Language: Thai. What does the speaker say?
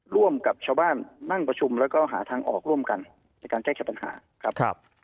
ร่วมกับชาวบ้านนั่งประชุมแล้วก็หาทางออกร่วมกันในการแก้ไขปัญหาครับ